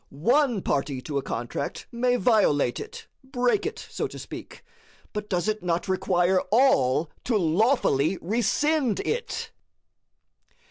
One party to a contract may violate it break it, so to speak; but does it not require all to lawfully rescind it?